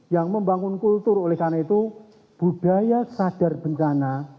yang membangun kultur oleh karena itu budaya sadar bencana